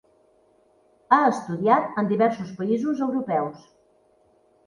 Ha estudiat en diversos països europeus.